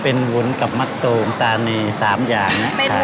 เป็นวุ้นกับมะตูมตานี๓อย่างนะ